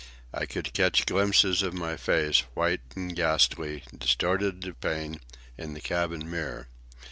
I could catch glimpses of my face, white and ghastly, distorted with pain, in the cabin mirror.